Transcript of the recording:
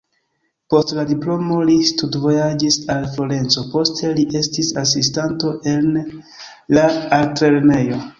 Post la diplomo li studvojaĝis al Florenco, poste li estis asistanto en la altlernejo.